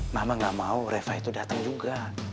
mama gak mau reva itu datang juga